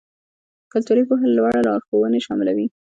کلتوري پوهه لوړ لارښوونې شاملوي.